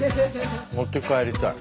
持って帰りたい。